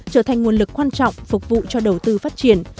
trở thành nguồn lực quan trọng phục vụ cho đầu tư phát triển